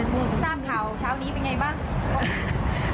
เป็นหมดพี่แชลมข่าวเช้านี้เป็นไงบ้างนั้นเยอะอ้าว